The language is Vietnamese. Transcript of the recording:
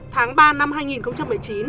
tháng ba năm hai nghìn một mươi chín